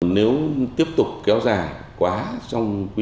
nếu tiếp tục kéo dài quá trong quý i quá quý i